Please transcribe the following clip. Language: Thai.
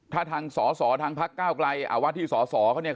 ถ้าทางสอสอทางพระเก้ากลายอาวาที่สอสอเขาเนี่ย